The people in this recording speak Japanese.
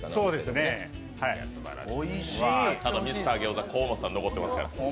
ミスター・ギョーザ、河本さん残っていますから。